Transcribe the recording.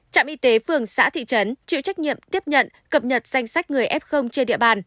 trạm y tế phường xã thị trấn chịu trách nhiệm tiếp nhận cập nhật danh sách người f trên địa bàn